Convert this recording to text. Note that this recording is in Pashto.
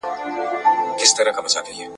ولي د ژوند حق تر ټولو مهم دی؟